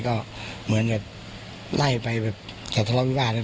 ก็เหมือนจะไล่ไปแบบจะทะเลาะวิบาทนะครับ